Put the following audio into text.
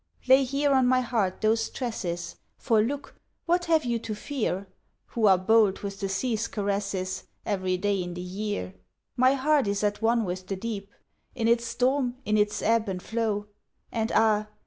Lay here on my heart those tresses, For look, what have you to fear Who are bold with the sea's caresses Every day in the year? My heart is at one with the deep In its storm, in its ebb and flow, And ah!